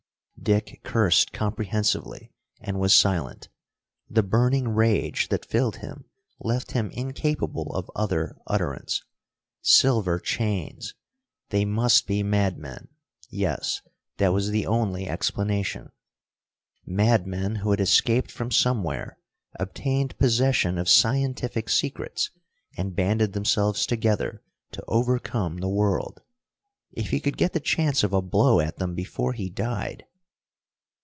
Dick cursed comprehensively and was silent. The burning rage that filled him left him incapable of other utterance. Silver chains! They must be madmen yes, that was the only explanation. Madmen who had escaped from somewhere, obtained possession of scientific secrets, and banded themselves together to overcome the world. If he could get the chance of a blow at them before he died!